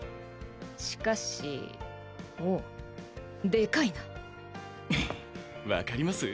しかしほうでかいな分かります？